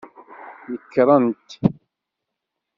Nekrent.